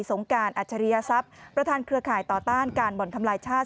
งการอัจฉริยศัพย์ประธานเครือข่ายต่อต้านการบ่อนทำลายชาติ